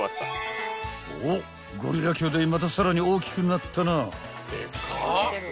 ［おっゴリラ兄弟またさらに大きくなったな］